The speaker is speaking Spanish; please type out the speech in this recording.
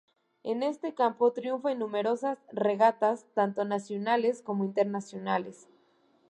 En este campo triunfa en numerosas regatas, tanto nacionales como internacionales.